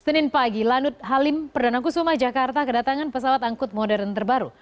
senin pagi lanut halim perdana kusuma jakarta kedatangan pesawat angkut modern terbaru